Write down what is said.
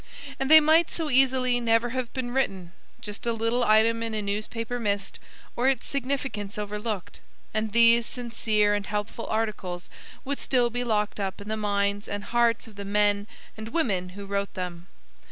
And they might so easily never have been written just a little item in a newspaper missed, or its significance overlooked, and these sincere and helpful articles would still be locked up in the minds and hearts of the men and women who wrote them.